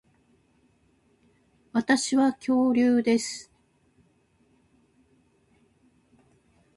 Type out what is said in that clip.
私は恐竜です